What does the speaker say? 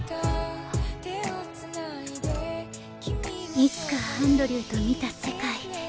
いつかアンドリューと見た世界。